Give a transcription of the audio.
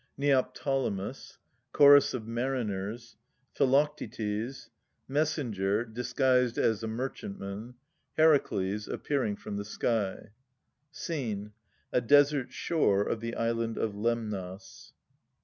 Neoptolemus. Chorus of Mariners. Philoctetes. Messenger, disguised as a Merchantman. Heracles, appearing from the sky. Scene. A desert shore of the Island of Lemnos.